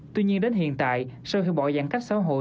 tuy nhiên đến hiện tại sau khi bỏ giãn cách xã hội